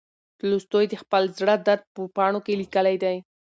تولستوی د خپل زړه درد په پاڼو کې لیکلی دی.